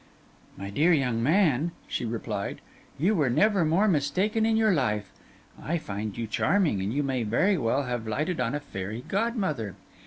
'My dear young man,' she replied, 'you were never more mistaken in your life. I find you charming, and you may very well have lighted on a fairy godmother.